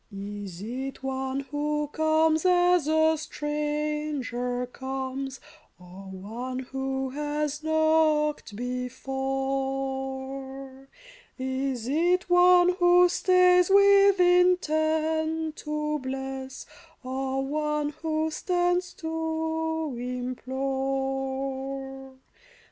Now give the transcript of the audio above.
Is it one who comes as a stranger comes, Or one who has knocked before ? Is it one who stays with intent to bless, Or one who stands to implore